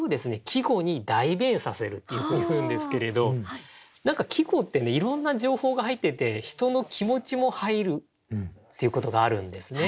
季語に代弁させるっていうんですけれど何か季語っていろんな情報が入ってて人の気持ちも入るっていうことがあるんですね。